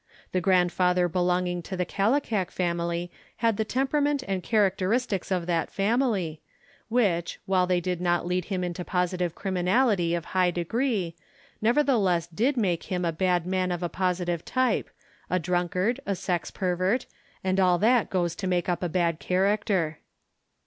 The grandfather belonging to the Kallikak family had the temperament and characteristics of that family, which, while they did not lead him into positive crim inality of high degree, nevertheless did make him a bad man of a positive type, a drunkard, a sex pervert, and all that goes to make up a bad character.